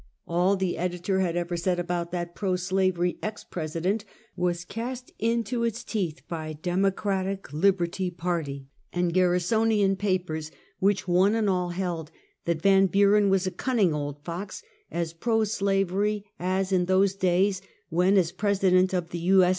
All the editor had ever said about that pro slavery ex President was cast into its teeth by Democratic, Liberty Party and Garrisonian papers, which, one and all, held that Van Buren was a cunning old fox, as pro slavery as in those days when, as President of the TJ. S.